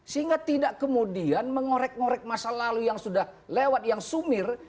sehingga tidak kemudian mengorek ngorek masa lalu yang sudah lewat yang sumir